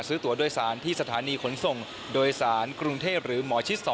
ซื้อตัวโดยสารที่สถานีขนส่งโดยสารกรุงเทพหรือหมอชิด๒